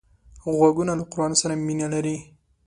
غوږونه له قرآن سره مینه لري